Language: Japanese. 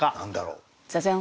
ジャジャン。